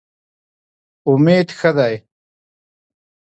امید ښه دی.